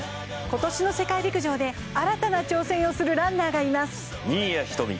今年の世界陸上で新たな挑戦をするランナーがいます新谷仁美